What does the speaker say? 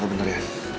oh bener ya